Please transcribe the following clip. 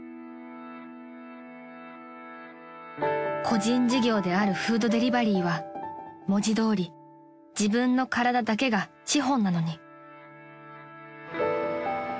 ［個人事業であるフードデリバリーは文字どおり自分の体だけが資本なのに］